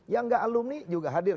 yang gak alumni juga hadir